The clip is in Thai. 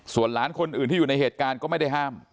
ส่วนหลานคนอื่นที่อยู่ในเหตุการณ์ก็ไม่ได้ห้าม